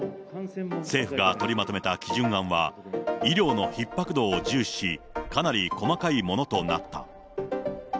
政府が取りまとめた基準案は、医療のひっ迫度を重視し、かなり細かいものとなった。